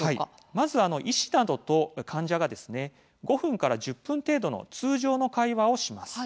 まず医師などと患者が５分から１０分程度の通常の会話をします。